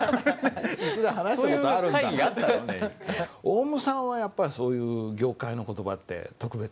オウムさんはやっぱりそういう業界の言葉って特別にあります？